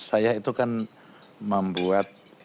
saya itu kan membuat